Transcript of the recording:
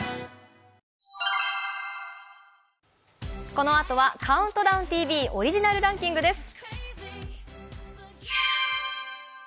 このあとは、「ＣＤＴＶ」オリジナルランキング」です。